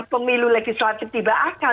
pemilu legislatif tiba akal